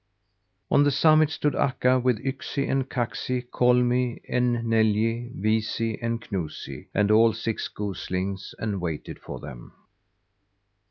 On the summit stood Akka, with Yksi and Kaksi, Kolmi and Neljä, Viisi and Knusi, and all six goslings and waited for them.